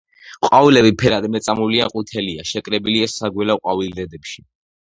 ყვავილები ფერად მეწამული ან ყვითელია, შეკრებილია საგველა ყვავილედებში.